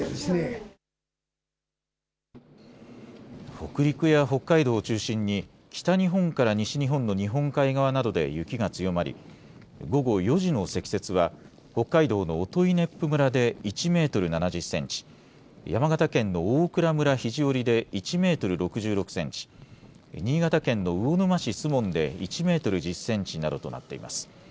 北陸や北海道を中心に、北日本から西日本の日本海側などで雪が強まり、午後４時の積雪は、北海道の音威子府村で１メートル７０センチ、山形県の大蔵村肘折で１メートル６６センチ、新潟県の魚沼市守門で１メートル１０センチなどとなっています。